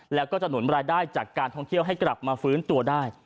แล้วก็จะหนุนรายได้จากการท่องเที่ยวให้กลับมาฟื้นตัวได้